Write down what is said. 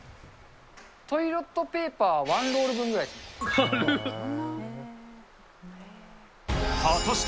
トイレットペーパー１ロール果たして